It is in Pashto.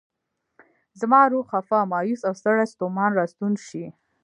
زما روح خفه، مایوس او ستړی ستومان راستون شي.